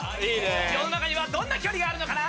世の中にはどんな距離があるのかな？